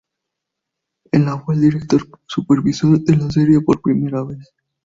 En la fue el director supervisor de la serie por primera vez.